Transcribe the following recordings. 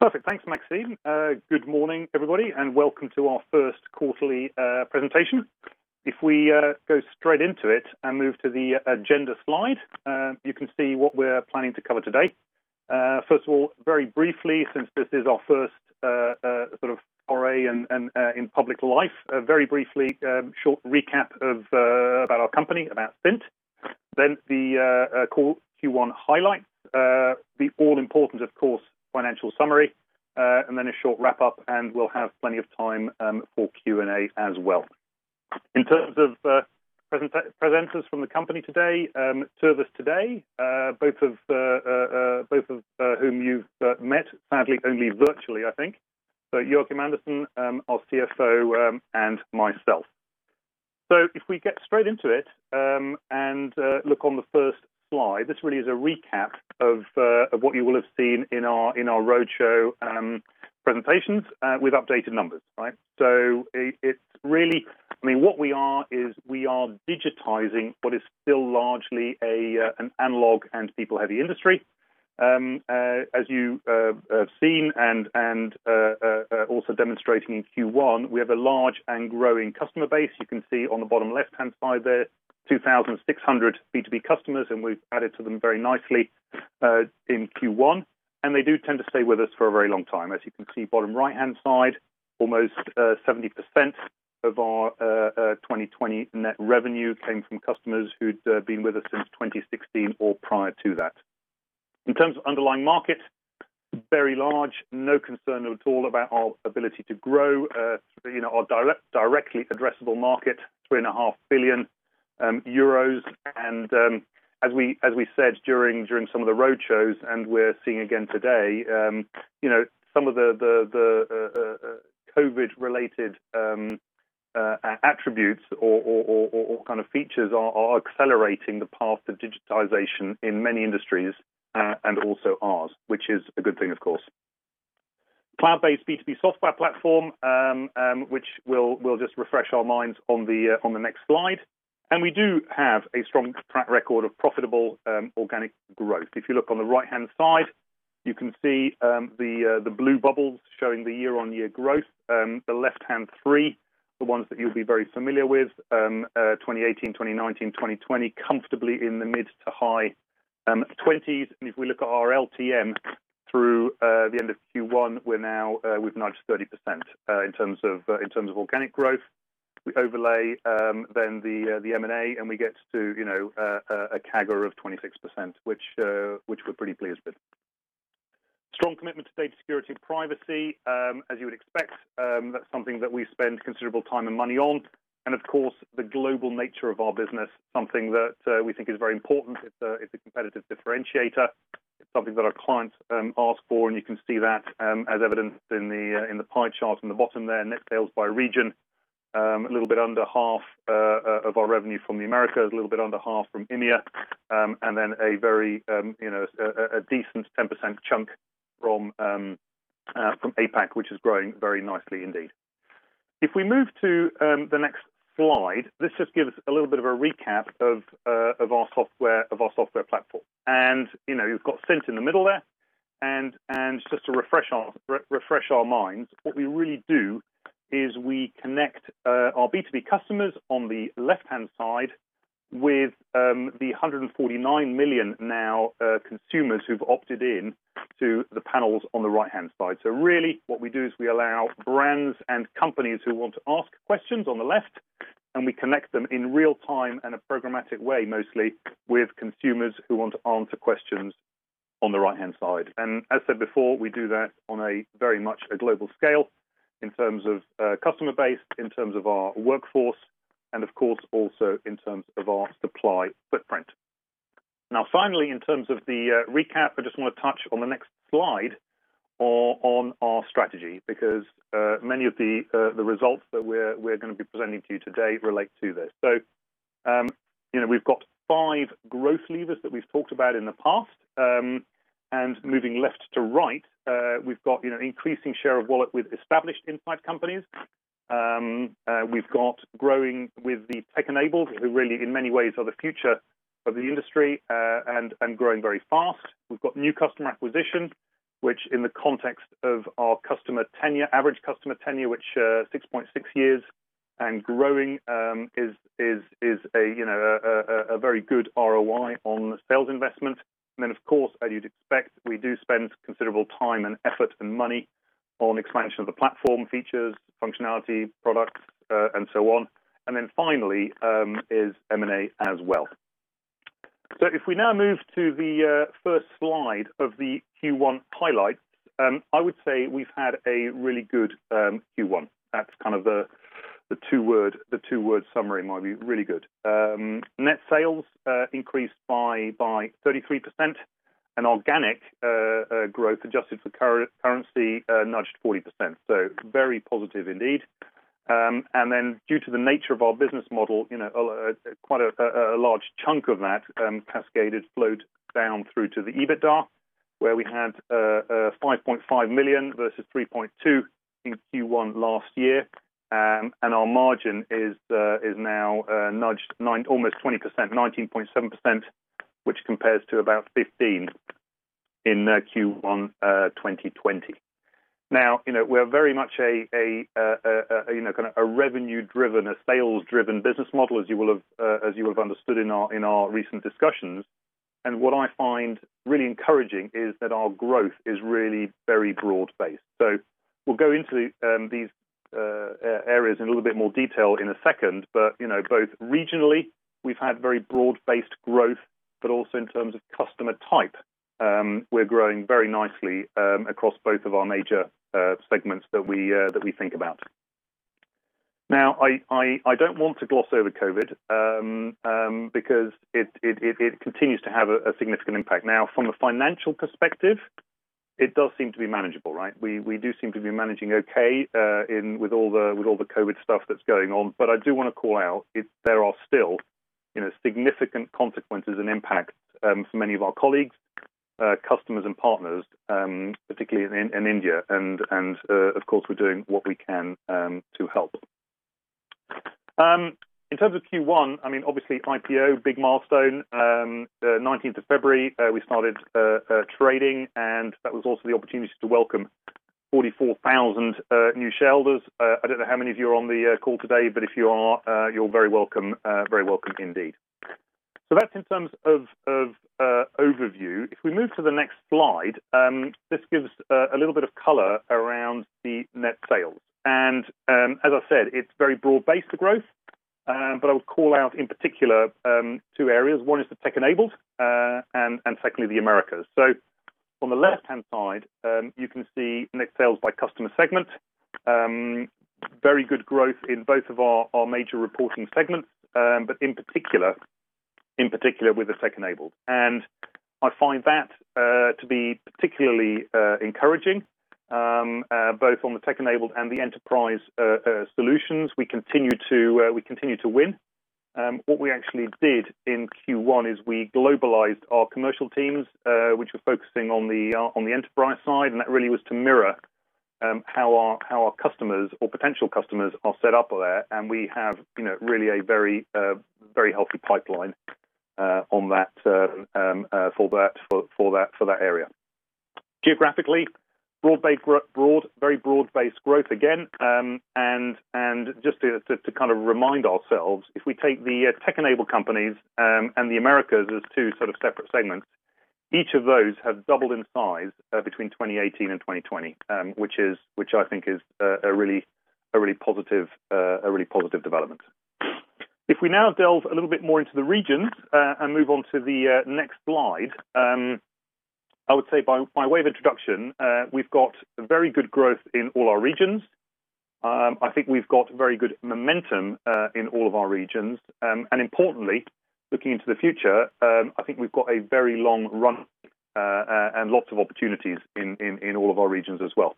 Perfect. Thanks, Maxine. Good morning, everybody, and welcome to our first quarterly presentation. We go straight into it and move to the agenda slide, you can see what we're planning to cover today. First of all, very briefly, since this is our first sort of foray in public life, very briefly, a short recap about our company, about Cint. The core Q1 highlights. The all-important, of course, financial summary, and then a short wrap-up, and we'll have plenty of time for Q&A as well. In terms of presenters from the company today, two of us today, both of whom you've met, sadly only virtually, I think. Joakim Andersson, our CFO, and myself. We get straight into it, and look on the first slide, this really is a recap of what you will have seen in our roadshow presentations with updated numbers. What we are is we are digitizing what is still largely an analog and people-heavy industry. As you have seen and also demonstrating in Q1, we have a large and growing customer base. You can see on the bottom left-hand side there 2,600 B2B customers, and we've added to them very nicely in Q1, and they do tend to stay with us for a very long time. As you can see, bottom right-hand side, almost 70% of our 2020 net revenue came from customers who'd been with us since 2016 or prior to that. In terms of underlying market, very large. No concern at all about our ability to grow our directly addressable market, 3.5 billion euros. As we said during some of the roadshows and we're seeing again today, some of the COVID-19-related attributes or kind of features are accelerating the path to digitization in many industries and also ours, which is a good thing, of course. Cloud-based B2B software platform, which we'll just refresh our minds on the next slide. We do have a strong track record of profitable organic growth. If you look on the right-hand side, you can see the blue bubbles showing the year-on-year growth. The left-hand 3, the ones that you'll be very familiar with, 2018, 2019, 2020, comfortably in the mid-to-high 20s. If we look at our LTM through the end of Q1, we've nudged 30% in terms of organic growth. We overlay then the M&A, and we get to a CAGR of 26%, which we're pretty pleased with. Strong commitment to data security and privacy. As you would expect, that's something that we spend considerable time and money on. Of course, the global nature of our business, something that we think is very important. It's a competitive differentiator. It's something that our clients ask for. You can see that as evidenced in the pie chart in the bottom there, net sales by region. A little bit under half of our revenue from the Americas, a little bit under half from EMEA. Then a decent 10% chunk from APAC, which is growing very nicely indeed. If we move to the next slide, this just gives a little bit of a recap of our software platform. You've got Cint in the middle there. Just to refresh our minds, what we really do is we connect our B2B customers on the left-hand side with the 149 million now consumers who've opted in to the panels on the right-hand side. Really what we do is we allow brands and companies who want to ask questions on the left, and we connect them in real time in a programmatic way, mostly with consumers who want to answer questions on the right-hand side. As said before, we do that on a very much a global scale in terms of customer base, in terms of our workforce, and of course also in terms of our supply footprint. Finally, in terms of the recap, I just want to touch on the next slide on our strategy, because many of the results that we're going to be presenting to you today relate to this. We've got five growth levers that we've talked about in the past. Moving left to right, we've got increasing share of wallet with established insight companies. We've got growing with the tech-enabled, who really in many ways are the future of the industry and growing very fast. We've got new customer acquisition, which in the context of our average customer tenure, which 6.6 years and growing is a very good ROI on the sales investment. Of course, as you'd expect, we do spend considerable time and effort and money on expansion of the platform features, functionality, products, and so on. Finally is M&A as well. If we now move to the first slide of the Q1 highlights, I would say we've had a really good Q1. That's kind of the two-word summary might be really good. Net sales increased by 33%. Organic growth adjusted for currency nudged 40%. Very positive indeed. Due to the nature of our business model, quite a large chunk of that flowed down through to the EBITDA, where we had 5.5 million versus 3.2 million in Q1 last year. Our margin is now nudged almost 20%, 19.7%, which compares to about 15% in Q1 2020. We're very much a revenue-driven, a sales-driven business model, as you have understood in our recent discussions. What I find really encouraging is that our growth is really very broad-based. We'll go into these areas in a little bit more detail in a second. Both regionally, we've had very broad-based growth, but also in terms of customer type, we're growing very nicely across both of our major segments that we think about. I don't want to gloss over COVID because it continues to have a significant impact. From a financial perspective, it does seem to be manageable, right? We do seem to be managing okay with all the COVID stuff that's going on. I do want to call out, there are still significant consequences and impacts for many of our colleagues, customers, and partners, particularly in India, and of course, we're doing what we can to help. In terms of Q1, obviously IPO, big milestone. 19th of February, we started trading, and that was also the opportunity to welcome 44,000 new shareholders. I don't know how many of you are on the call today, but if you are, you're very welcome indeed. That's in terms of overview. If we move to the next slide, this gives a little bit of color around the net sales. As I said, it's very broad-based growth. I would call out in particular two areas. One is the tech-enabled, and secondly, the Americas. On the left-hand side, you can see net sales by customer segment. Very good growth in both of our major reporting segments, but in particular with the tech-enabled. I find that to be particularly encouraging, both on the tech-enabled and the enterprise solutions, we continue to win. What we actually did in Q1 is we globalized our commercial teams, which were focusing on the enterprise side, and that really was to mirror how our customers or potential customers are set up there. We have really a very healthy pipeline for that area. Geographically, very broad-based growth again. Just to kind of remind ourselves, if we take the tech-enabled companies and the Americas as two sort of separate segments, each of those have doubled in size between 2018 and 2020 which I think is a really positive development. If we now delve a little bit more into the regions and move on to the next slide, I would say by way of introduction, we've got very good growth in all our regions. I think we've got very good momentum in all of our regions. Importantly, looking into the future, I think we've got a very long run and lots of opportunities in all of our regions as well.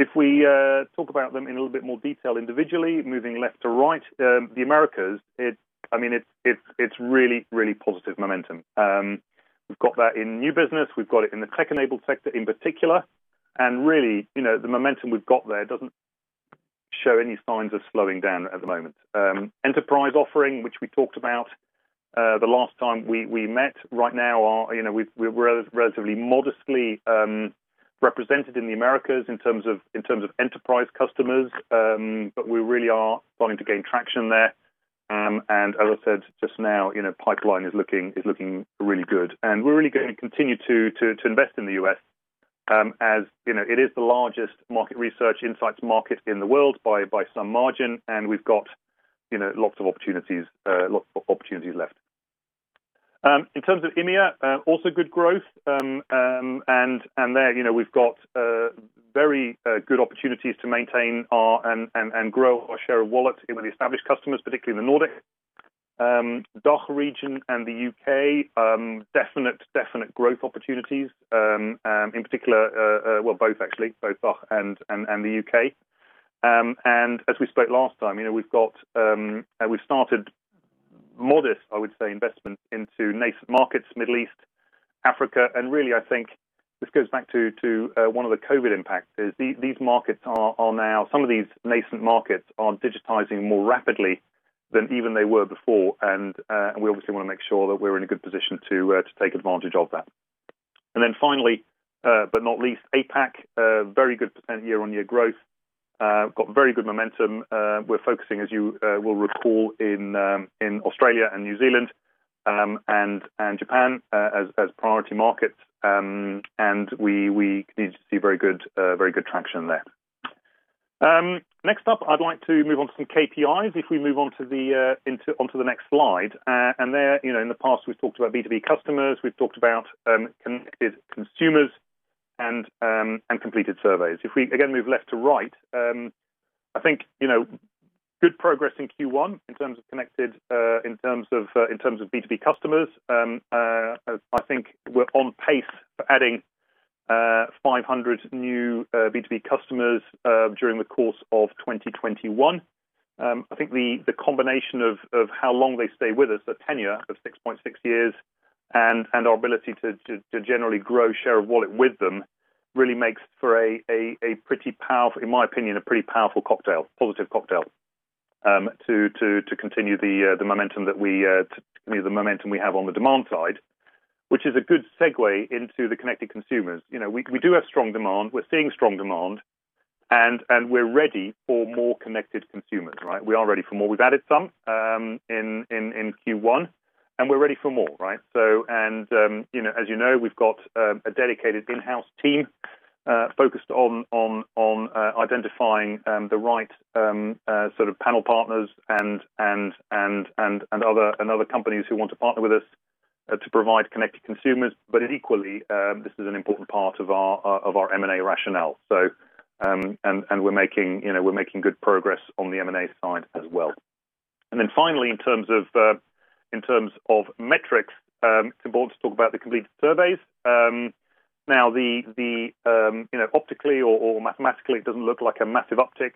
If we talk about them in a little bit more detail individually, moving left to right, the Americas, it's really positive momentum. We've got that in new business, we've got it in the tech-enabled sector in particular, really, the momentum we've got there doesn't show any signs of slowing down at the moment. Enterprise offering, which we talked about the last time we met, right now we're relatively modestly represented in the Americas in terms of enterprise customers, we really are starting to gain traction there. As I said just now, pipeline is looking really good. We're really going to continue to invest in the U.S., as it is the largest market research insights market in the world by some margin, and we've got lots of opportunities left. In terms of EMEA, also good growth. There we've got very good opportunities to maintain and grow our share of wallet with established customers, particularly in the Nordic, DACH region, and the U.K. Definite growth opportunities in particular, well, both actually, both DACH and the U.K. As we spoke last time, we've started modest, I would say, investment into nascent markets, Middle East, Africa. Really, I think this goes back to one of the COVID-19 impacts, is these markets are now, some of these nascent markets are digitizing more rapidly than even they were before. We obviously want to make sure that we're in a good position to take advantage of that. Then finally but not least, APAC, very good % year-on-year growth. Got very good momentum. We're focusing, as you will recall, in Australia and New Zealand, and Japan as priority markets. We continue to see very good traction there. Next up, I'd like to move on to some KPIs if we move on to the next slide. There, in the past, we've talked about B2B customers, we've talked about connected consumers and completed surveys. If we, again, move left to right, I think good progress in Q1 in terms of B2B customers. I think we're on pace for adding 500 new B2B customers during the course of 2021. I think the combination of how long they stay with us, the tenure of 6.6 years, and our ability to generally grow share of wallet with them really makes for, in my opinion, a pretty powerful cocktail, positive cocktail to continue the momentum we have on the demand side. Which is a good segue into the connected consumers. We do have strong demand, we're seeing strong demand, and we're ready for more connected consumers. We are ready for more. We've added some in Q1, and we're ready for more. As you know, we've got a dedicated in-house team focused on identifying the right sort of panel partners and other companies who want to partner with us to provide connected consumers. Equally, this is an important part of our M&A rationale. We're making good progress on the M&A side as well. Finally, in terms of metrics, it's important to talk about the completed surveys. Now, optically or mathematically, it doesn't look like a massive uptick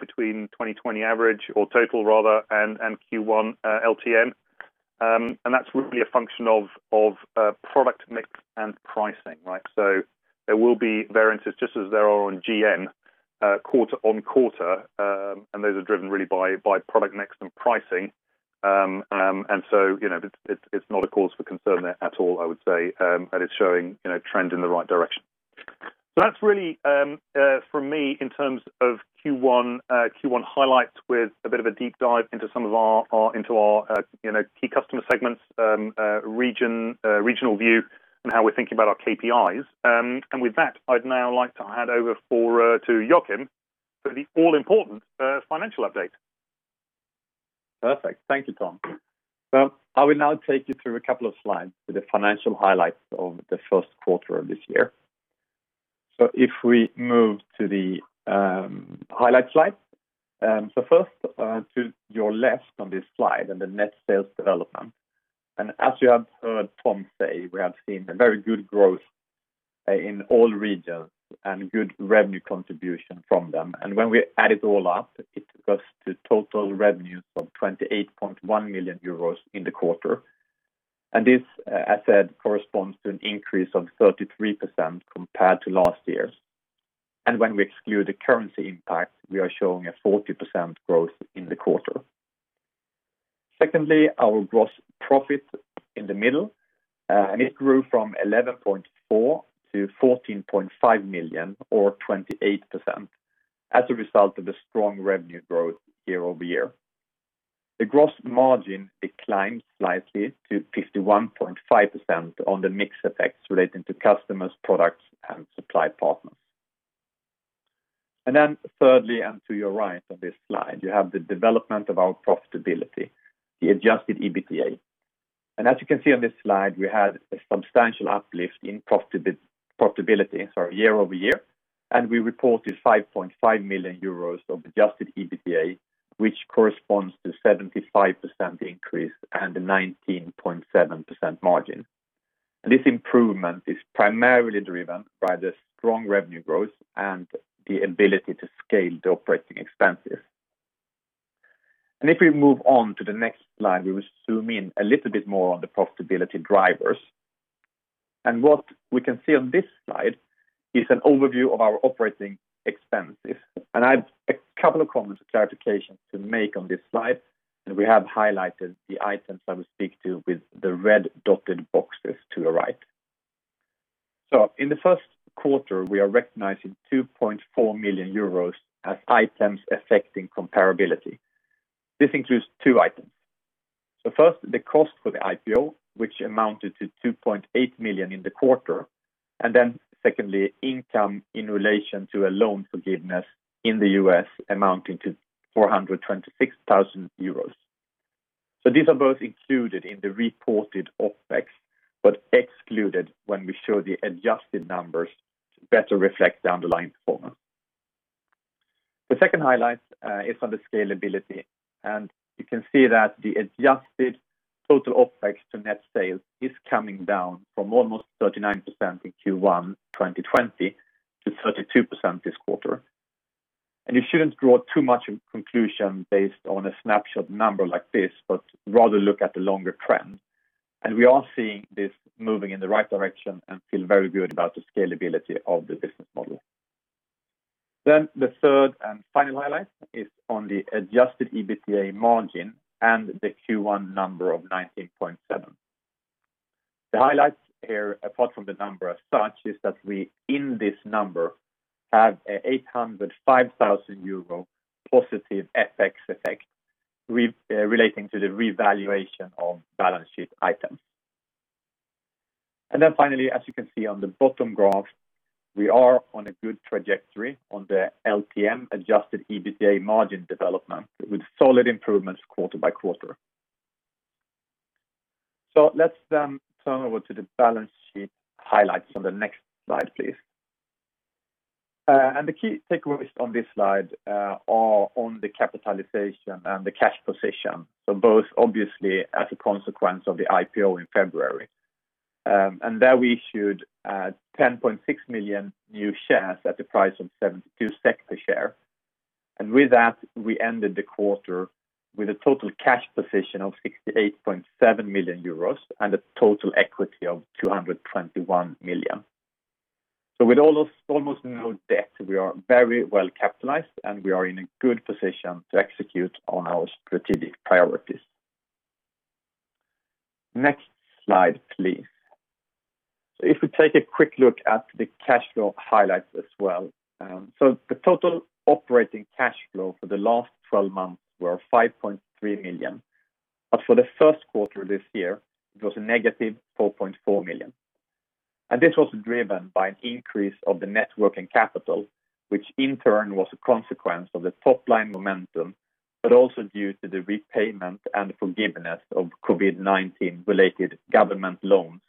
between 2020 average or total rather, and Q1 LTM. That's really a function of product mix and pricing. There will be variances just as there are on GM, quarter on quarter, and those are driven really by product mix and pricing. It's not a cause for concern there at all, I would say. It's showing trend in the right direction. That's really, from me, in terms of Q1 highlights with a bit of a deep dive into some of our key customer segments, regional view, and how we're thinking about our KPIs. With that, I'd now like to hand over to Joakim for the all-important financial update. Perfect. Thank you, Tom. I will now take you through a couple of slides with the financial highlights of the first quarter of this year. If we move to the highlights slide. First, to your left on this slide and the net sales development. As you have heard Tom say, we have seen a very good growth in all regions and good revenue contribution from them. When we add it all up, it goes to total revenues of 28.1 million euros in the quarter. This, as said, corresponds to an increase of 33% compared to last year's. When we exclude the currency impact, we are showing a 40% growth in the quarter. Secondly, our gross profit in the middle. It grew from 11.4 million to 14.5 million or 28% as a result of the strong revenue growth year-over-year. The gross margin declined slightly to 51.5% on the mix effects relating to customers, products, and supply partners. Thirdly, and to your right on this slide, you have the development of our profitability, the adjusted EBITDA. As you can see on this slide, we had a substantial uplift in profitability, sorry, year-over-year, and we reported 5.5 million euros of adjusted EBITDA, which corresponds to 75% increase and a 19.7% margin. This improvement is primarily driven by the strong revenue growth and the ability to scale the operating expenses. If we move on to the next slide, we will zoom in a little bit more on the profitability drivers. What we can see on this slide is an overview of our operating expenses. I have a couple of comments and clarifications to make on this slide. We have highlighted the items I will speak to with the red dotted boxes to the right. In the first quarter, we are recognizing 2.4 million euros as items affecting comparability. This includes two items. First, the cost for the IPO, which amounted to 2.8 million in the quarter. Secondly, income in relation to a loan forgiveness in the U.S. amounting to 426,000 euros. These are both included in the reported OPEX, but excluded when we show the adjusted numbers to better reflect the underlying performance. The second highlight is on the scalability. You can see that the adjusted total OPEX to net sales is coming down from almost 39% in Q1 2020 to 32% this quarter. You shouldn't draw too much conclusion based on a snapshot number like this, but rather look at the longer trend. We are seeing this moving in the right direction and feel very good about the scalability of the business model. The third and final highlight is on the adjusted EBITDA margin and the Q1 number of 19.7. The highlights here, apart from the number as such, is that we, in this number, have 805,000 euro positive FX effect relating to the revaluation of balance sheet items. Finally, as you can see on the bottom graph, we are on a good trajectory on the LTM adjusted EBITDA margin development with solid improvements quarter by quarter. Let's then turn over to the balance sheet highlights on the next slide, please. The key takeaways on this slide are on the capitalization and the cash position. Both obviously as a consequence of the IPO in February. There we issued 10.6 million new shares at the price of 72 per share. With that, we ended the quarter with a total cash position of 68.7 million euros and a total equity of 221 million. With almost no debt, we are very well capitalized, and we are in a good position to execute on our strategic priorities. Next slide, please. If we take a quick look at the cash flow highlights as well. The total operating cash flow for the last 12 months were 5.3 million. For the first quarter this year, it was a negative 4.4 million. This was driven by an increase of the net working capital, which in turn was a consequence of the top-line momentum, but also due to the repayment and forgiveness of COVID-19 related government loans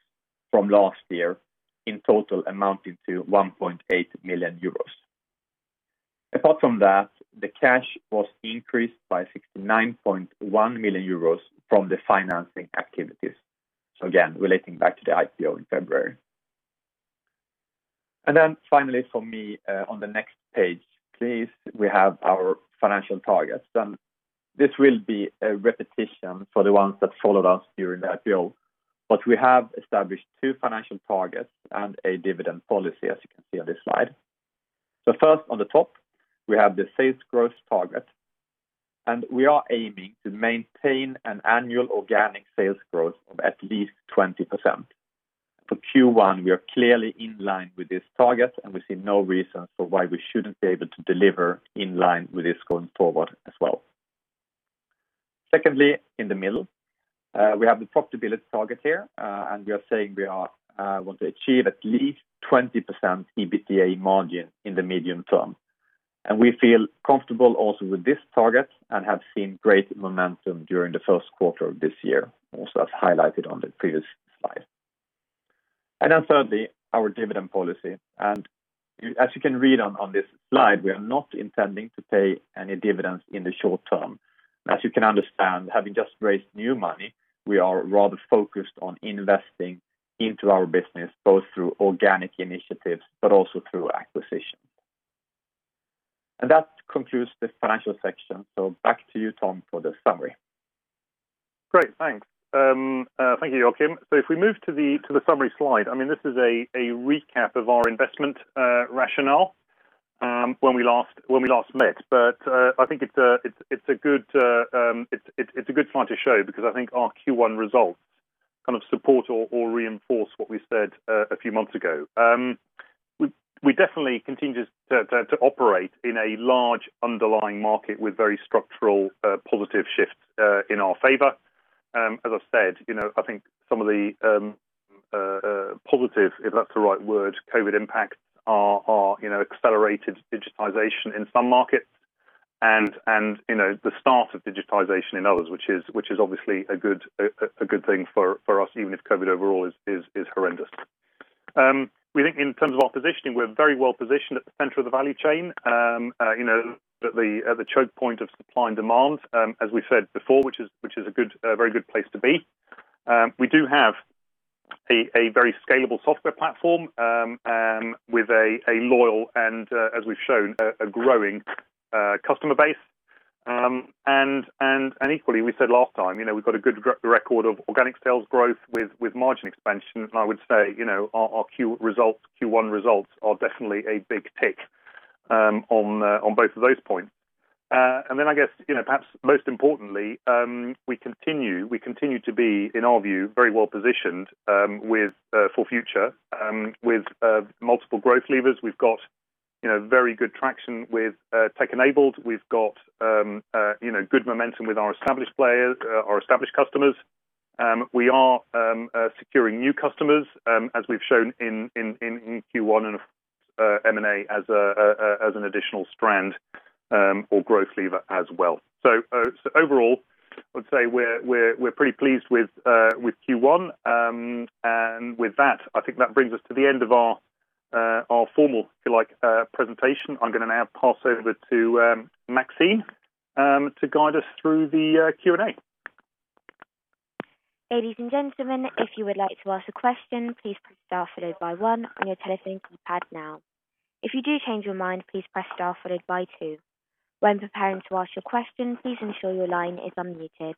from last year, in total amounting to 1.8 million euros. Apart from that, the cash was increased by 69.1 million euros from the financing activities. Again, relating back to the IPO in February. Then finally from me, on the next page, please, we have our financial targets. This will be a repetition for the ones that followed us during the IPO. We have established two financial targets and a dividend policy, as you can see on this slide. First, on the top, we have the sales growth target, and we are aiming to maintain an annual organic sales growth of at least 20%. For Q1, we are clearly in line with this target. We see no reason for why we shouldn't be able to deliver in line with this going forward as well. Secondly, in the middle, we have the profitability target here. We are saying we want to achieve at least 20% EBITDA margin in the medium term. We feel comfortable also with this target and have seen great momentum during the first quarter of this year, also as highlighted on the previous slide. Thirdly, our dividend policy. As you can read on this slide, we are not intending to pay any dividends in the short term. As you can understand, having just raised new money, we are rather focused on investing into our business, both through organic initiatives, but also through acquisitions. That concludes the financial section. Back to you, Tom, for the summary. Great. Thanks. Thank you, Joakim. If we move to the summary slide, this is a recap of our investment rationale when we last met. I think it's a good slide to show because I think our Q1 results kind of support or reinforce what we said a few months ago. We definitely continue to operate in a large underlying market with very structural positive shifts in our favor. As I said, I think some of the positive, if that's the right word, COVID-19 impacts are accelerated digitization in some markets and the start of digitization in others, which is obviously a good thing for us, even if COVID-19 overall is horrendous. We think in terms of our positioning, we're very well positioned at the center of the value chain, at the choke point of supply and demand, as we said before, which is a very good place to be. We do have a very scalable software platform with a loyal, and as we've shown, a growing customer base. Equally, we said last time, we've got a good record of organic sales growth with margin expansion. I would say, our Q1 results are definitely a big tick on both of those points. Then I guess perhaps most importantly, we continue to be, in our view, very well positioned for future with multiple growth levers. We've got very good traction with Tech Enabled. We've got good momentum with our established customers. We are securing new customers, as we've shown in Q1, and M&A as an additional strand or growth lever as well. Overall, I'd say we're pretty pleased with Q1. With that, I think that brings us to the end of our formal, if you like, presentation. I'm going to now pass over to Maxine to guide us through the Q&A. Ladies and gentlemen, if you would like to ask a question, please press star followed by one on your telephone keypad now. If you do change your mind, please press star followed by two. When preparing to ask your question, please ensure your line is unmuted.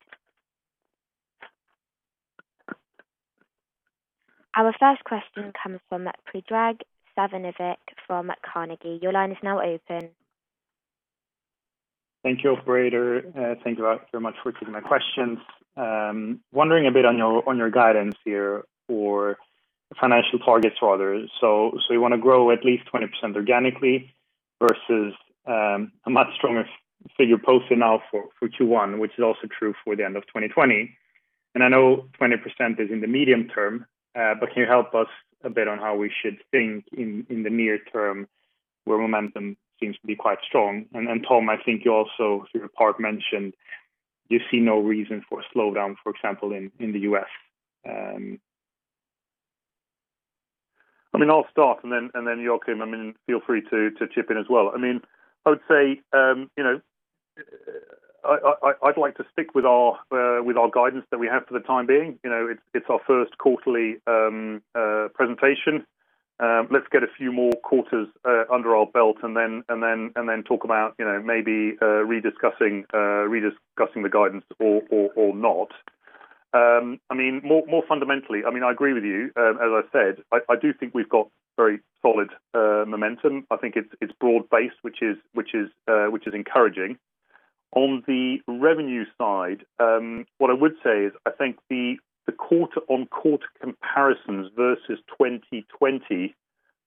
Our first question comes from Predrag Savinovic from Carnegie. Your line is now open. Thank you, operator. Thank you very much for taking my questions. I'm wondering a bit on your guidance here for financial targets for others. You want to grow at least 20% organically versus a much stronger figure posted now for Q1, which is also true for the end of 2020. I know 20% is in the medium term, but can you help us a bit on how we should think in the near term, where momentum seems to be quite strong? Tom, I think you also, through the part mentioned, you see no reason for a slowdown, for example, in the U.S. I'll start and then Joakim, feel free to chip in as well. I would say, I'd like to stick with our guidance that we have for the time being. It's our first quarterly presentation. Let's get a few more quarters under our belt and then talk about maybe rediscussing the guidance or not. More fundamentally, I agree with you. As I said, I do think we've got very solid momentum. I think it's broad-based, which is encouraging. On the revenue side, what I would say is I think the quarter-on-quarter comparisons versus 2020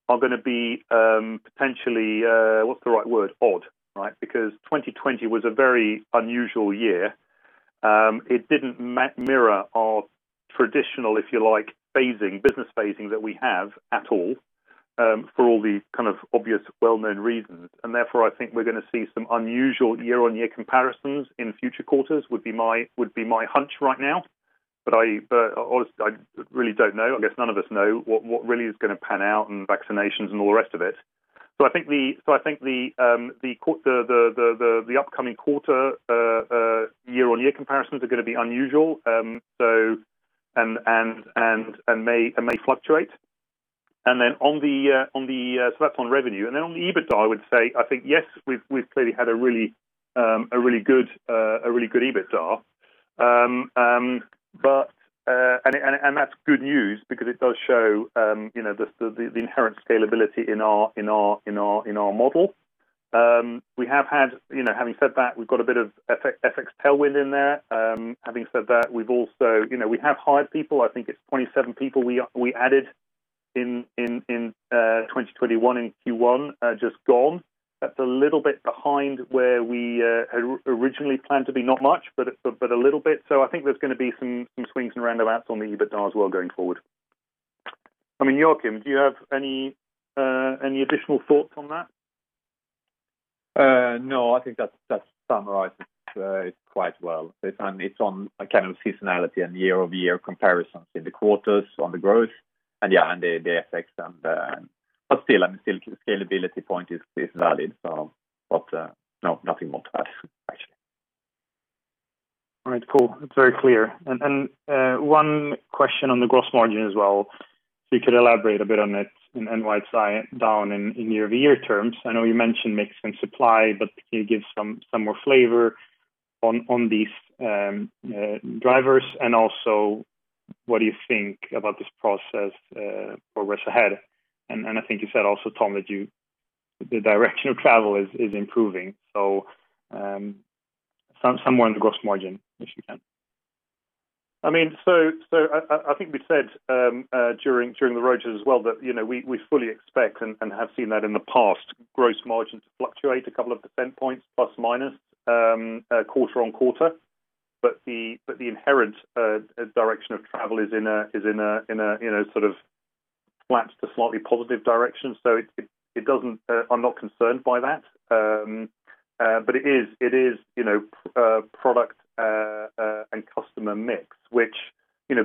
are going to be potentially, what's the right word? Odd. Right? Because 2020 was a very unusual year. It didn't mirror our traditional, if you like, business phasing that we have at all, for all the kind of obvious well-known reasons. Therefore, I think we're going to see some unusual year-on-year comparisons in future quarters, would be my hunch right now. Honestly, I really don't know. I guess none of us know what really is going to pan out and vaccinations and all the rest of it. I think the upcoming quarter year-on-year comparisons are going to be unusual and may fluctuate. That's on revenue. Then on the EBITDA, I would say, I think, yes, we've clearly had a really good EBITDA. That's good news because it does show the inherent scalability in our model. Having said that, we've got a bit of FX tailwind in there. Having said that, we have hired people. I think it's 27 people we added in 2021, in Q1, just gone. That's a little bit behind where we had originally planned to be. Not much, but a little bit. I think there's going to be some swings and roundabouts on the EBITDA as well going forward. Joakim, do you have any additional thoughts on that? No, I think that summarizes it quite well. It's on a kind of seasonality and year-over-year comparisons in the quarters on the growth. Yeah, and the FX. Still, scalability point is valid. No, nothing more to add, actually. All right, cool. It's very clear. One question on the gross margin as well. If you could elaborate a bit on it and why it's down in year-over-year terms. I know you mentioned mix and supply, but can you give some more flavor on these drivers? Also, what do you think about this process for what's ahead? I think you said also, Tom, that the direction of travel is improving. Some more on the gross margin, if you can. I think we said during the roadshow as well that we fully expect, and have seen that in the past, gross margin to fluctuate a couple of percentage points, plus minus, quarter on quarter. The inherent direction of travel is in a sort of flat to slightly positive direction. I'm not concerned by that. It is product and customer mix, which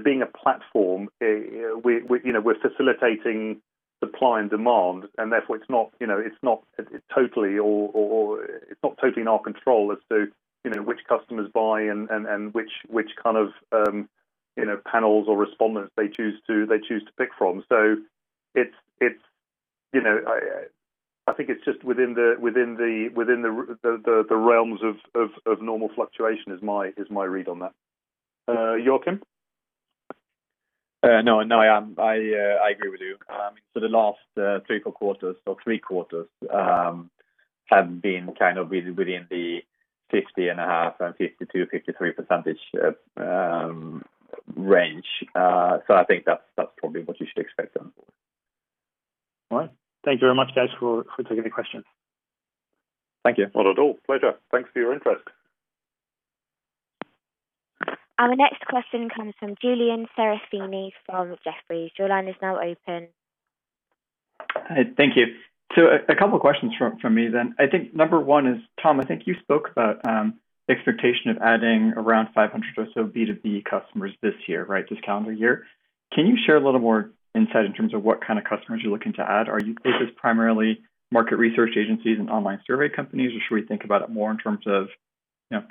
being a platform, we're facilitating supply and demand, and therefore it's not totally in our control as to which customers buy and which kind of panels or respondents they choose to pick from. I think it's just within the realms of normal fluctuation is my read on that. Joakim? No, I agree with you. For the last three quarters, have been kind of within the 50 and a half % and 52%-53% range. I think that's probably what you should expect going forward. All right. Thank you very much, guys, for taking the question. Thank you. Not at all. Pleasure. Thanks for your interest. Our next question comes from Julian Serafini from Jefferies. Your line is now open. Thank you. A couple questions from me then. I think number one is, Tom, I think you spoke about expectation of adding around 500 or so B2B customers this year, right? This calendar year. Can you share a little more insight in terms of what kind of customers you're looking to add? Is this primarily market research agencies and online survey companies, or should we think about it more in terms of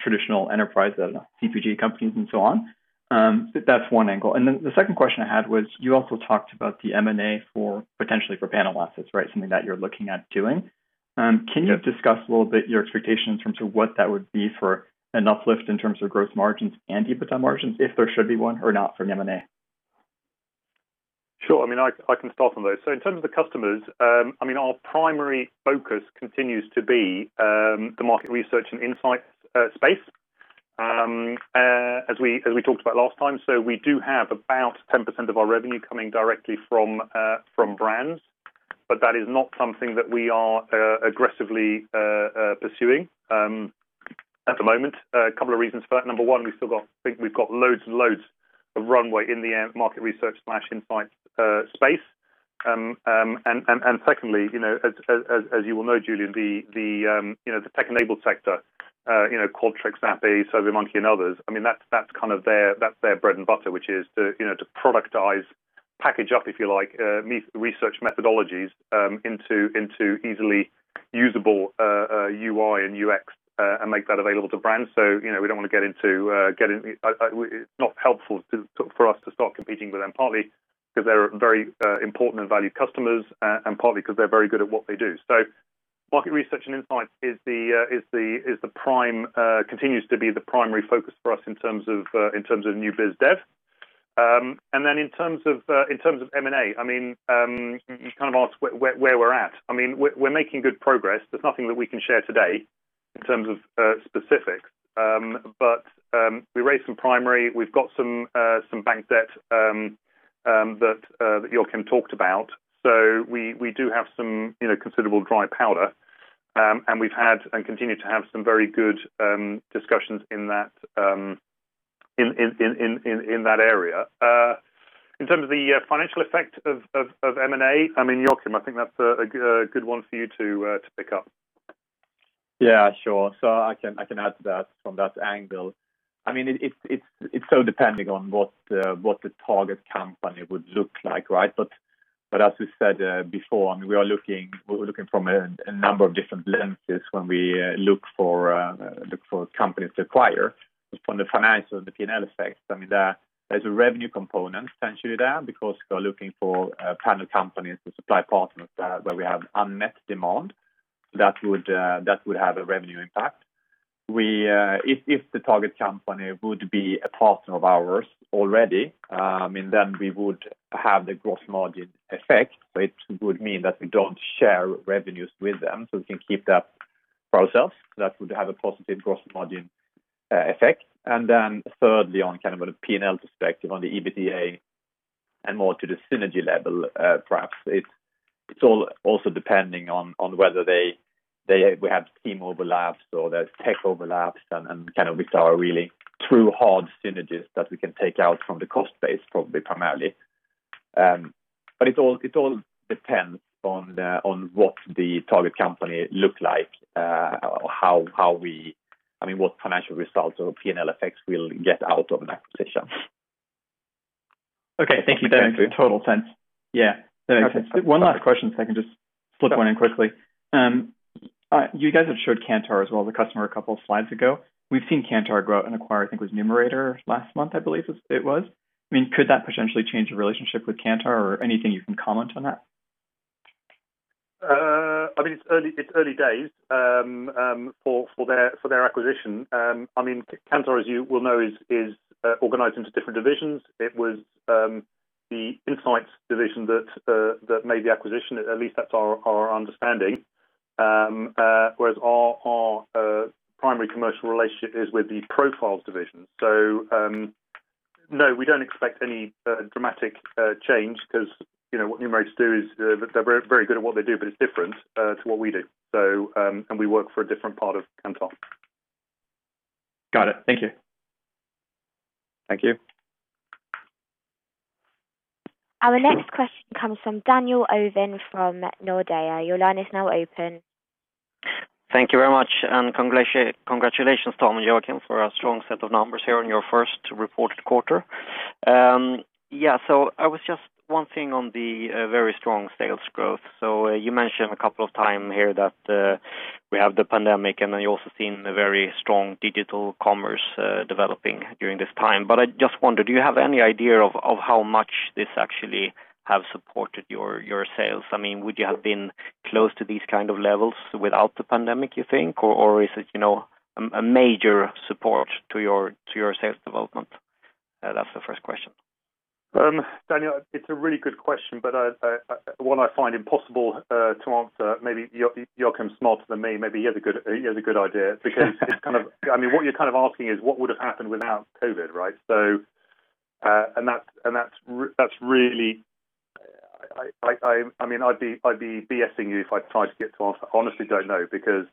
traditional enterprise, I don't know, CPG companies and so on? That's one angle. The second question I had was, you also talked about the M&A potentially for panel assets, right? Something that you're looking at doing. Can you discuss a little bit your expectation in terms of what that would be for an uplift in terms of gross margins and EBITDA margins, if there should be one or not from M&A? Sure. I can start on those. In terms of the customers, our primary focus continues to be the market research and insights space, as we talked about last time. We do have about 10% of our revenue coming directly from brands, but that is not something that we are aggressively pursuing at the moment. A couple of reasons for that. Number 1, I think we've got loads and loads of runway in the market research/insight space. Secondly, as you will know, Julian, the tech-enabled sector, Qualtrics, Snap, SurveyMonkey, and others, that's their bread and butter, which is to productize, package up, if you like, research methodologies into easily usable UI and UX and make that available to brands. It's not helpful for us to start competing with them, partly because they're very important and valued customers, and partly because they're very good at what they do. Market research and insights continues to be the primary focus for us in terms of new biz dev. In terms of M&A, you asked where we're at. We're making good progress. There's nothing that we can share today in terms of specifics. We raised some primary. We've got some bank debt that Joakim talked about. We do have some considerable dry powder, and we've had and continue to have some very good discussions in that area. In terms of the financial effect of M&A, Joakim, I think that's a good one for you to pick up. Yeah, sure. I can add to that from that angle. It's so depending on what the target company would look like, right? As we said before, we're looking from a number of different lenses when we look for companies to acquire. From the financial and the P&L effects, there's a revenue component essentially there, because we are looking for panel companies or supply partners where we have unmet demand that would have a revenue impact. If the target company would be a partner of ours already, then we would have the gross margin effect, which would mean that we don't share revenues with them, so we can keep that for ourselves. That would have a positive gross margin effect. Thirdly, on kind of a P&L perspective, on the EBITDA and more to the synergy level, perhaps, it is all also depending on whether we have team overlaps or there is tech overlaps and we saw really true hard synergies that we can take out from the cost base, probably primarily. It all depends on what the target company look like, what financial results or P&L effects we will get out of an acquisition. Okay. Thank you. That makes total sense. Yeah. That makes sense. One last question, if I can just slip one in quickly. You guys have showed Kantar as well, the customer a couple of slides ago. We've seen Kantar grow and acquire, I think it was Numerator last month, I believe it was. Could that potentially change the relationship with Kantar or anything you can comment on that? It's early days for their acquisition. Kantar, as you well know, is organized into different divisions. It was the insights division that made the acquisition, at least that's our understanding. Our primary commercial relationship is with the profiles division. No, we don't expect any dramatic change because what Numerator do is, they're very good at what they do, but it's different to what we do. We work for a different part of Kantar. Got it. Thank you. Thank you. Our next question comes from Daniel Owen from Nordea. Your line is now open. Thank you very much. Congratulations, Tom and Joakim, for a strong set of numbers here on your first reported quarter. I was just wanting on the very strong sales growth. You mentioned a couple of time here that we have the pandemic. You're also seeing the very strong digital commerce developing during this time. I just wonder, do you have any idea of how much this actually have supported your sales? Would you have been close to these kind of levels without the pandemic, you think, or is it a major support to your sales development? That's the first question. Daniel, it's a really good question, but one I find impossible to answer. Maybe Joakim's smarter than me. Maybe he has a good idea. What you're kind of asking is what would have happened without COVID, right? That's really I'd be BS-ing you if I tried to get to answer. I honestly don't know because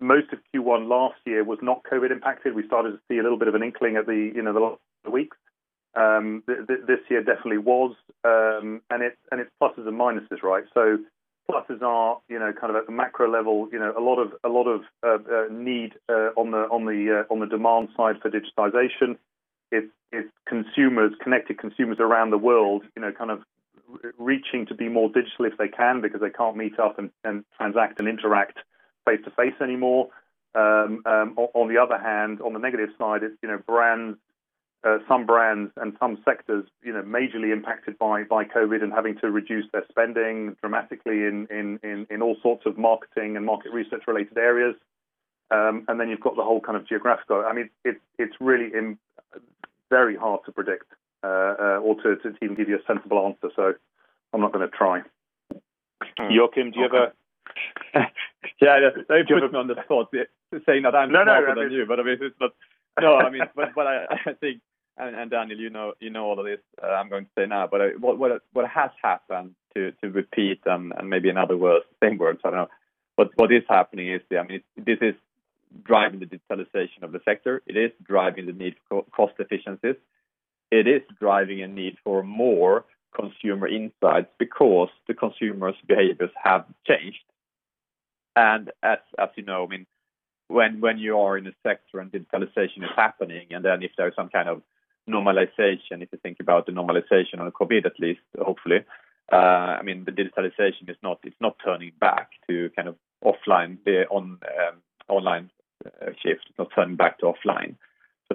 most of Q1 last year was not COVID impacted. We started to see a little bit of an inkling at the last weeks. This year definitely was, and it's pluses and minuses, right? Pluses are kind of at the macro level, a lot of need on the demand side for digitization. It's connected consumers around the world kind of reaching to be more digital if they can because they can't meet up and transact and interact face-to-face anymore. On the other hand, on the negative side, some brands and some sectors majorly impacted by COVID and having to reduce their spending dramatically in all sorts of marketing and market research related areas. You've got the whole kind of geographic. It's really very hard to predict or to even give you a sensible answer, I'm not going to try. Joakim, do you have? Yeah, don't put me on the spot to say that I'm smarter than you. No, no. I think, and Daniel, you know all of this, I'm going to say now. What has happened, to repeat and maybe in other words, same words, I don't know. What is happening is driving the digitalization of the sector, it is driving the need for cost efficiencies. It is driving a need for more consumer insights because the consumer's behaviors have changed. As you know, when you are in a sector and digitalization is happening, if there is some kind of normalization, if you think about the normalization on the COVID-19, at least, hopefully, the digitalization, it's not turning back to kind of offline. The online shift, it's not turning back to offline.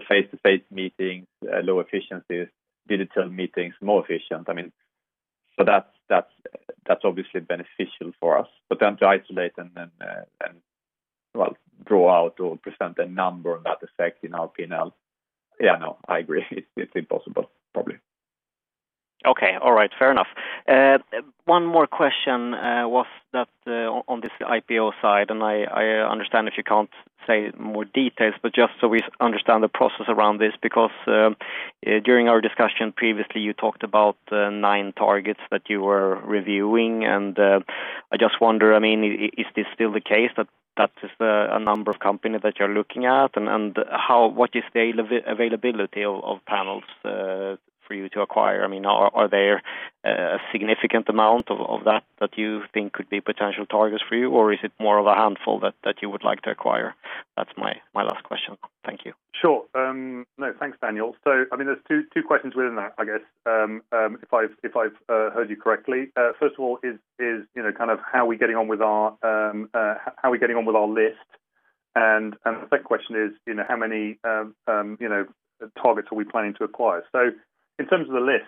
Face-to-face meetings, low efficiencies, digital meetings, more efficient. That's obviously beneficial for us. To isolate and then well, draw out or present a number on that effect in our P&L. Yeah. No, I agree. It is impossible, probably. Okay. All right. Fair enough. One more question was that on this IPO side, I understand if you can't say more details, but just so we understand the process around this, because during our discussion previously, you talked about nine targets that you were reviewing, and I just wonder, is this still the case that is a number of companies that you're looking at? What is the availability of panels for you to acquire? Are there a significant amount of that you think could be potential targets for you, or is it more of a handful that you would like to acquire? That's my last question. Thank you. Sure. No, thanks, Daniel. There's two questions within that, I guess. If I've heard you correctly, first of all is kind of how we're getting on with our list. The second question is, how many targets are we planning to acquire? In terms of the list,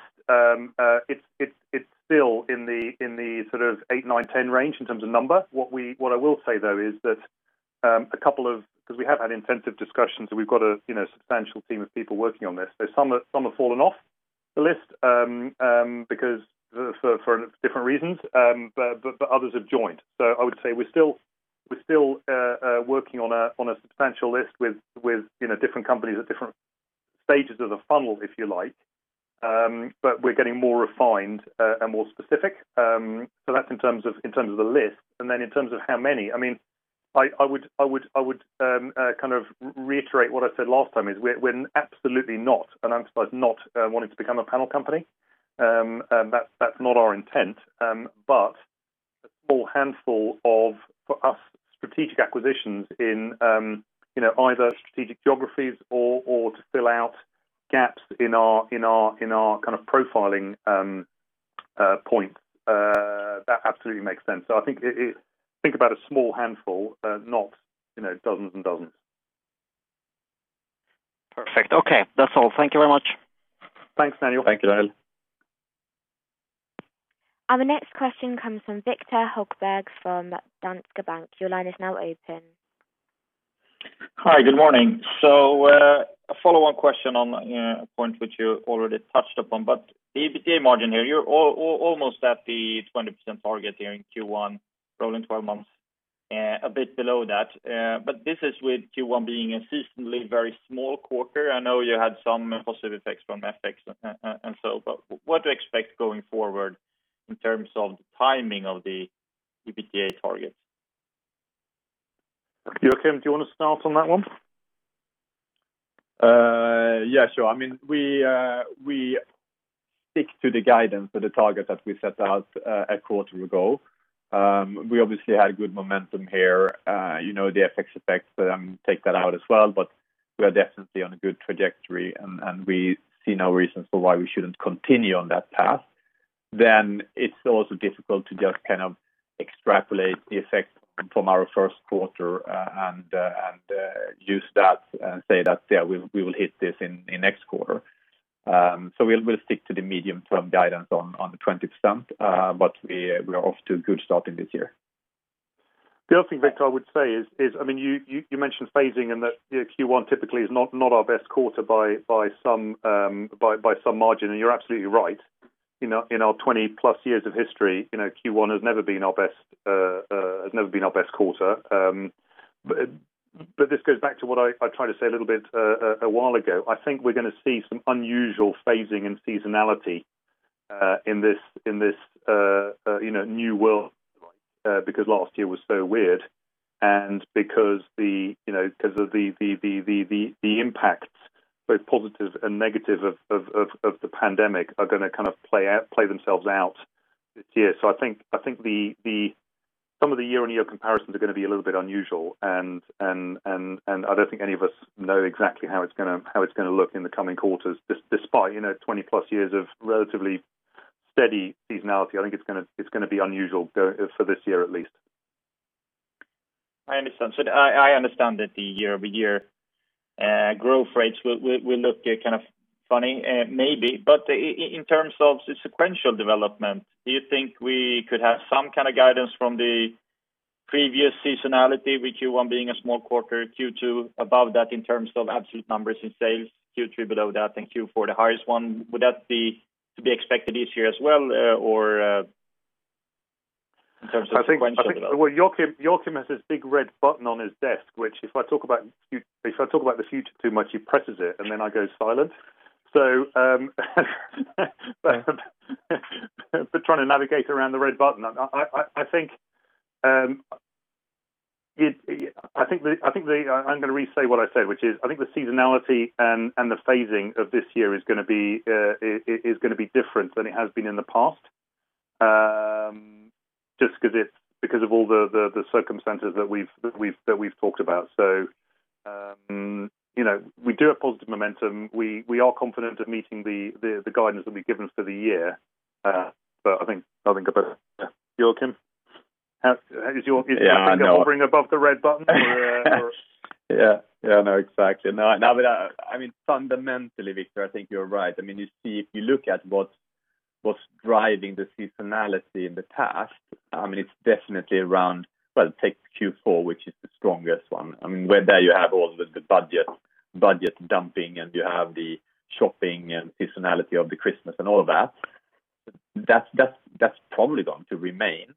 it's still in the sort of eight, nine, 10 range in terms of number. What I will say, though, is that we have had intensive discussions, and we've got a substantial team of people working on this. Some have fallen off the list for different reasons, but others have joined. I would say we're still working on a substantial list with different companies at different stages of the funnel, if you like. We're getting more refined and more specific. That's in terms of the list, then in terms of how many, I would kind of reiterate what I said last time is we're absolutely not, and I emphasize not, wanting to become a panel company. That's not our intent. A small handful of, for us, strategic acquisitions in either strategic geographies or to fill out gaps in our kind of profiling point, that absolutely makes sense. I think about a small handful, not dozens and dozens. Perfect. Okay. That's all. Thank you very much. Thanks, Daniel. Thank you, Daniel. Our next question comes from Viktor Högberg from Danske Bank. Your line is now open. Hi, good morning. A follow-on question on a point which you already touched upon, but the EBITDA margin here, you're almost at the 20% target here in Q1, rolling 12 months, a bit below that. I know you had some positive effects from FX and so, but what do you expect going forward in terms of the timing of the EBITDA targets? Joakim, do you want to start on that one? Sure. We stick to the guidance or the target that we set out a quarter ago. We obviously had good momentum here. The FX effects take that out as well. We are definitely on a good trajectory. We see no reason for why we shouldn't continue on that path. It's also difficult to just kind of extrapolate the effect from our first quarter and use that and say that, "We will hit this in next quarter." We'll stick to the medium-term guidance on the 20%. We are off to a good starting this year. The other thing, Viktor, I would say is, you mentioned phasing and that Q1 typically is not our best quarter by some margin. You're absolutely right. In our 20 plus years of history, Q1 has never been our best quarter. This goes back to what I tried to say a little bit a while ago. I think we're going to see some unusual phasing and seasonality in this new world, because last year was so weird and because of the impacts, both positive and negative of the pandemic are going to kind of play themselves out this year. I think some of the year-on-year comparisons are going to be a little bit unusual, and I don't think any of us know exactly how it's going to look in the coming quarters, despite 20 plus years of relatively steady seasonality. I think it's going to be unusual for this year at least. I understand. I understand that the year-over-year growth rates will look kind of funny maybe. In terms of the sequential development, do you think we could have some kind of guidance from the previous seasonality with Q1 being a small quarter, Q2 above that in terms of absolute numbers in sales, Q3 below that, and Q4 the highest one? Would that be to be expected this year as well? I think, well, Joakim has this big red button on his desk, which if I talk about the future too much, he presses it, and then I go silent. We're trying to navigate around the red button. I'm going to re-say what I said, which is, I think the seasonality and the phasing of this year is going to be different than it has been in the past, just because of all the circumstances that we've talked about. We do have positive momentum. We are confident of meeting the guidance that we've given for the year. I think, Joakim? Is your finger hovering above the red button or? Yeah, I know, exactly. I mean, fundamentally, Viktor, I think you're right. If you look at what's driving the seasonality in the past, it's definitely around, well, take Q4, which is the strongest one, where you have all the budget dumping, and you have the shopping and seasonality of the Christmas and all that. That's probably going to remain.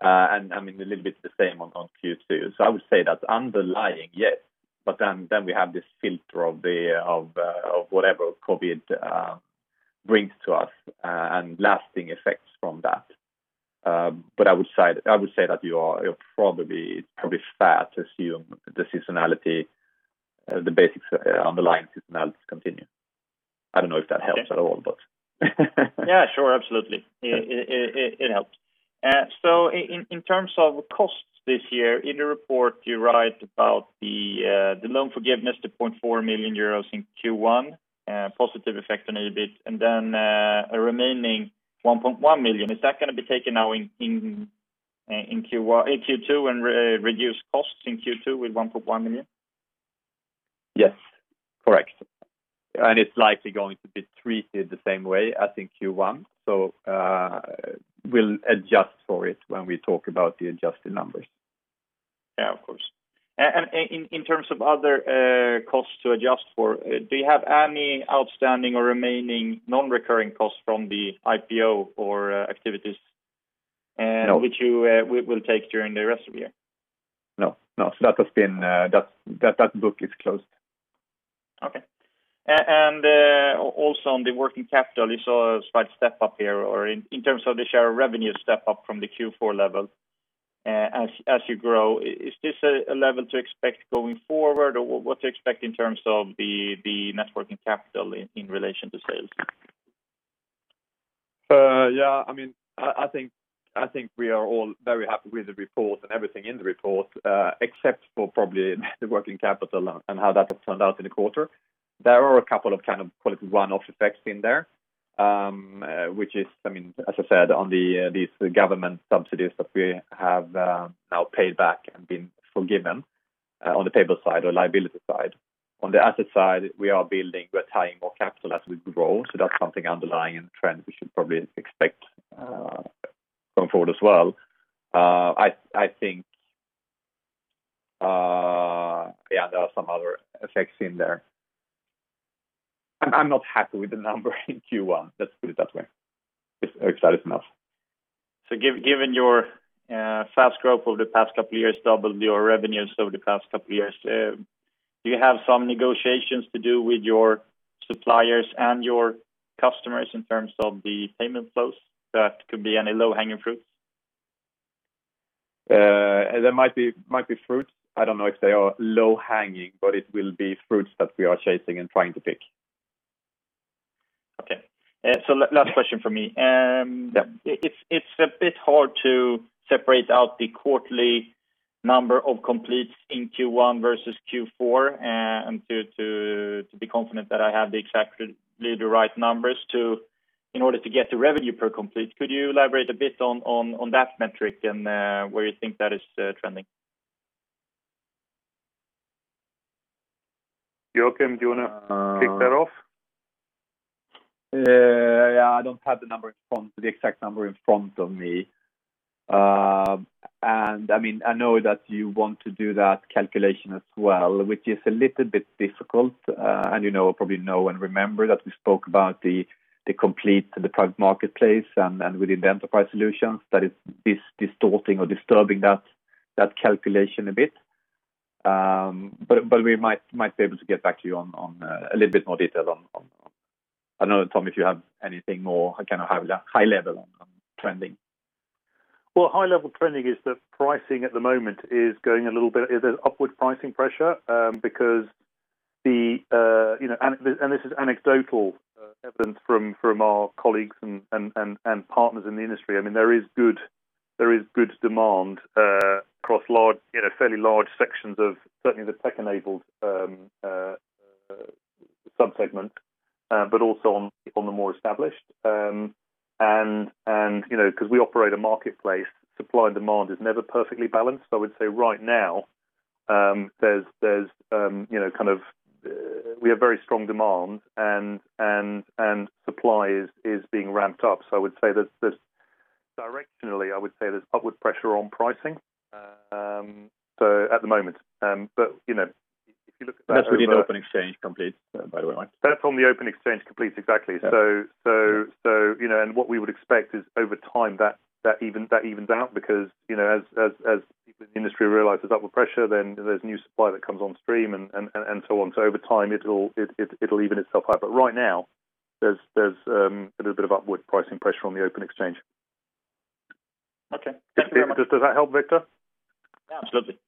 I mean, a little bit the same on Q2. I would say that's underlying, yes, but then we have this filter of whatever COVID brings to us, and lasting effects from that. I would say that you're probably fair to assume the seasonality, the basics underlying seasonality continue. I don't know if that helps at all. Yeah, sure. Absolutely. It helps. In terms of costs this year, in your report, you write about the loan forgiveness, the EUR .4 million in Q1, positive effect a little bit, and then a remaining 1.1 million. Is that going to be taken now in Q2, and reduce costs in Q2 with 1.1 million? Yes. Correct. It's likely going to be treated the same way as in Q1. We'll adjust for it when we talk about the adjusted numbers. Yeah, of course. In terms of other costs to adjust for, do you have any outstanding or remaining non-recurring costs from the IPO or activities? No which you will take during the rest of the year? No. That book is closed. Okay. Also on the working capital, you saw a slight step up here, or in terms of the share revenue step up from the Q4 level as you grow. Is this a level to expect going forward? What to expect in terms of the net working capital in relation to sales? Yeah, I think we are all very happy with the report and everything in the report, except for probably the working capital and how that has turned out in the quarter. There are a couple of 'liquidity one-off effects in there, which is, as I said on these government subsidies that we have now paid back and been forgiven on the payable side or liability side. On the asset side, we are building, we're tying more capital as we grow. That's something underlying and trend we should probably expect going forward as well. I think there are some other effects in there. I'm not happy with the number in Q1. Let's put it that way. It's exciting enough. Given your fast growth over the past couple of years, doubled your revenues over the past couple of years, do you have some negotiations to do with your suppliers and your customers in terms of the payment flows that could be any low-hanging fruits? There might be fruits. I don't know if they are low hanging, but it will be fruits that we are chasing and trying to pick. Okay. Last question from me. Yeah. It's a bit hard to separate out the quarterly number of completes in Q1 versus Q4, and to be confident that I have exactly the right numbers in order to get the revenue per complete. Could you elaborate a bit on that metric and where you think that is trending? Joakim, do you want to kick that off? Yeah, I don't have the exact number in front of me. I know that you want to do that calculation as well, which is a little bit difficult. You probably know and remember that we spoke about the complete private marketplace, and within the enterprise solutions, that it's distorting or disturbing that calculation a bit. We might be able to get back to you on a little bit more detail on. I don't know, Tom, if you have anything more high level on trending. Well, high level trending is that pricing at the moment there's upward pricing pressure because this is anecdotal evidence from our colleagues and partners in the industry. There is good demand across fairly large sections of certainly the tech-enabled subsegment, also on the more established. Because we operate a marketplace, supply and demand is never perfectly balanced. I would say right now, we have very strong demand, and supply is being ramped up. Directionally, I would say there's upward pressure on pricing at the moment. If you look at that- That's within Open Exchange completes, by the way. That's on the Open Exchange completes. Exactly. Yeah. What we would expect is over time, that evens out because as the industry realizes upward pressure, then there's new supply that comes on stream, and so on. Over time, it'll even itself out. Right now, there's a little bit of upward pricing pressure on the Open Exchange. Okay. Thank you very much. Does that help, Viktor? Yeah, absolutely.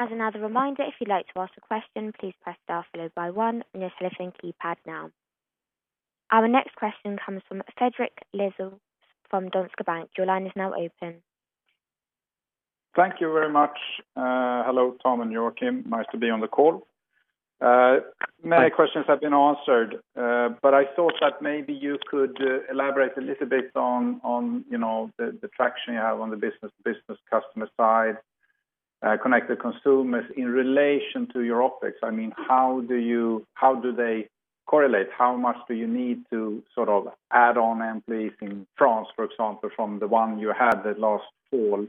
As another reminder, if you'd like to ask a question, please press star followed by one on your telephone keypad now. Our next question comes from Fredrik Lithell from Danske Bank. Your line is now open. Thank you very much. Hello, Tom and Joakim, nice to be on the call. Hi. Many questions have been answered, but I thought that maybe you could elaborate a little bit on the traction you have on the business customer side, connected consumers in relation to your opex. How do they correlate? How much do you need to add on employees in France, for example, from the one you had that last fall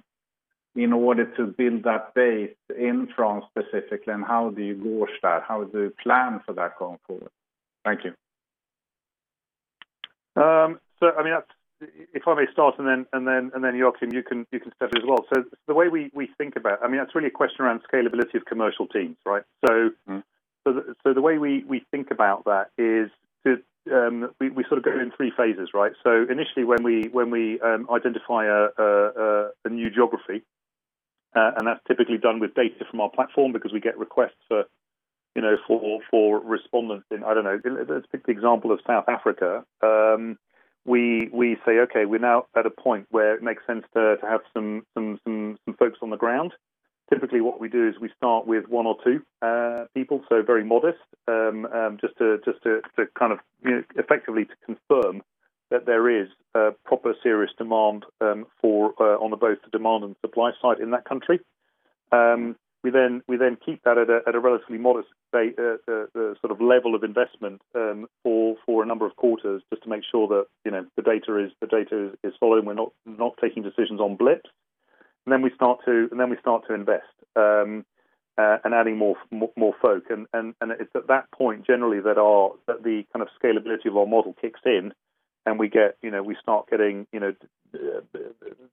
in order to build that base in France specifically, and how do you gauge that? How do you plan for that going forward? Thank you. If I may start, and then, Joakim, you can start as well. That's really a question around scalability of commercial teams, right? The way we think about that is we go in three phases, right? Initially when we identify a new geography, and that's typically done with data from our platform because we get requests for respondents in, I don't know, let's pick the example of South Africa. We say, okay, we're now at a point where it makes sense to have some folks on the ground. Typically, what we do is we start with one or two people, so very modest, just to effectively confirm that there is a proper, serious demand on both the demand and supply side in that country. We keep that at a relatively modest level of investment for a number of quarters just to make sure that the data is solid and we're not taking decisions on blips. We start to invest and adding more folk. It's at that point, generally, that the scalability of our model kicks in, and we start getting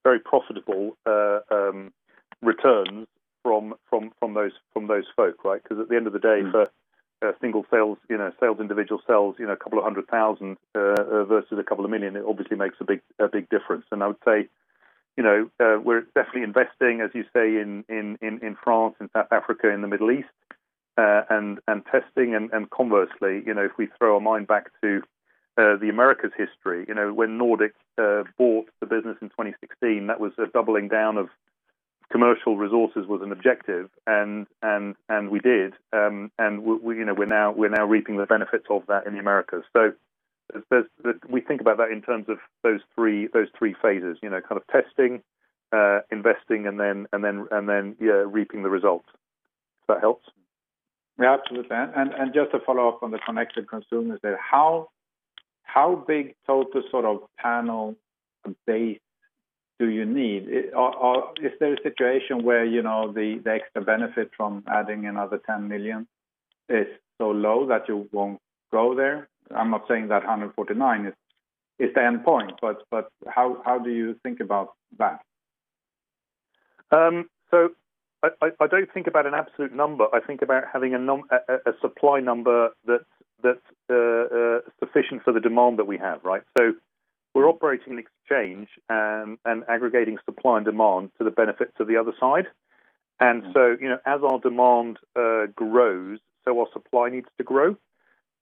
very profitable returns from those folk, right? for a single sales individual sells a couple of 100,000 versus a couple of million, it obviously makes a big difference. I would say we're definitely investing, as you say, in France, in South Africa, in the Middle East, and testing. Conversely, if we throw our mind back to the Americas history when Nordic Capital bought the business in 2016, that was a doubling down of commercial resources with an objective, and we did. We're now reaping the benefits of that in the Americas. We think about that in terms of those three phases, kind of testing, investing, and then reaping the results. Does that help? Yeah, absolutely. Just to follow up on the connected consumers there, how big total panel base do you need? Is there a situation where the extra benefit from adding another 10 million is so low that you won't go there? I'm not saying that 149 is the endpoint, but how do you think about that? I don't think about an absolute number. I think about having a supply number that's sufficient for the demand that we have, right? We're operating an exchange and aggregating supply and demand to the benefit of the other side. As our demand grows, so our supply needs to grow.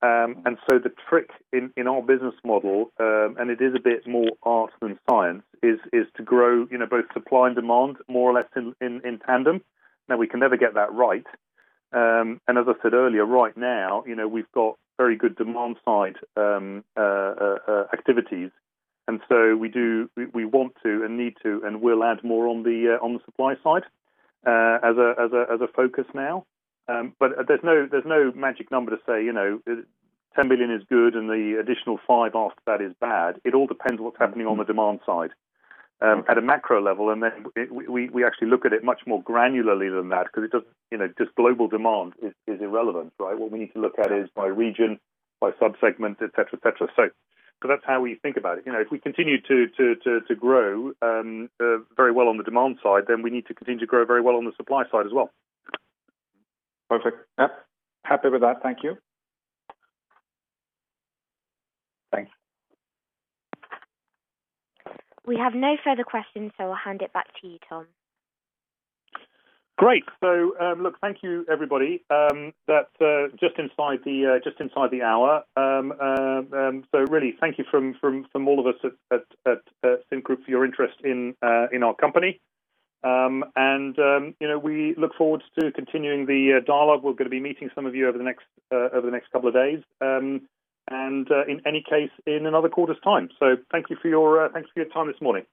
The trick in our business model, and it is a bit more art than science, is to grow both supply and demand more or less in tandem. Now, we can never get that right. As I said earlier, right now we've got very good demand-side activities. We want to and need to, and will add more on the supply side as a focus now. There's no magic number to say 10 million is good and the additional five after that is bad. It all depends what's happening on the demand side at a macro level, and then we actually look at it much more granularly than that because just global demand is irrelevant, right? What we need to look at is by region, by sub-segment, et cetera. That's how we think about it. If we continue to grow very well on the demand side, then we need to continue to grow very well on the supply side as well. Perfect. Yep. Happy with that. Thank you. Thanks. We have no further questions, so I'll hand it back to you, Tom. Great. Look, thank you, everybody. That's just inside the hour. Really, thank you from all of us at Cint Group for your interest in our company. We look forward to continuing the dialogue. We're going to be meeting some of you over the next couple of days. In any case, in another quarter's time. Thanks for your time this morning.